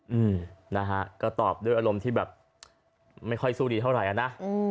อืมนะฮะก็ตอบด้วยอารมณ์ที่แบบไม่ค่อยสู้ดีเท่าไหร่อ่ะนะอืม